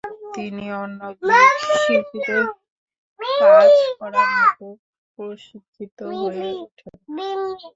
তিনি অন্য গ্রীক শিল্পীদের কাজ করার মতো প্রশিক্ষিত হয়ে ওঠেন।